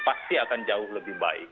pasti akan jauh lebih baik